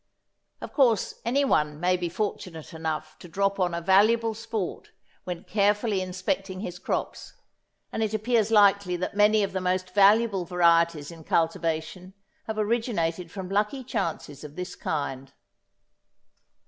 Of course anyone may be fortunate enough to drop on a valuable sport when carefully inspecting his crops, and it appears likely that many of the most valuable varieties in cultivation have originated from lucky chances of this kind.